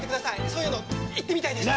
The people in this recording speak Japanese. そういうの言ってみたいです。